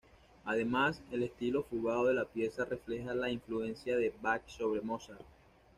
Además, el estilo fugado de la pieza refleja la influencia de Bach sobre Mozart.